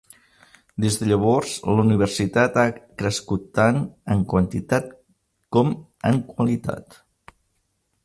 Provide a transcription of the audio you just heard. Des de llavors, la universitat ha crescut, tant en quantitat com en qualitat.